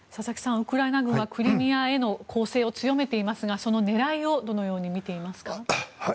ウクライナ軍はクリミアへの攻勢を強めていますがその狙いをどのように見ていますか。